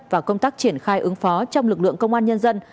và công tác triển khai ứng phó trong lực lượng công an nhân dân